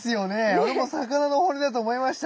俺も魚の骨だと思いました。